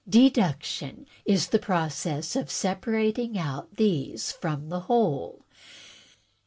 Deduction is the process of separating one of these from the whole.